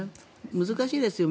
難しいですよ。